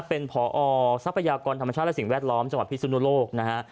เป็นพอทรัพยากรธรรมชาติและสิ่งแวดล้อมจังหวัดพิสุนุโลกนะฮะ